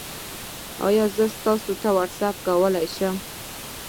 ایا زه تاسو ته واټساپ کولی شم؟